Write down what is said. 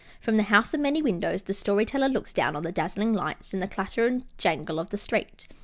From the House of Many Windows the Story Teller looks down on the dazzling lights and the clatter and jangle of the street.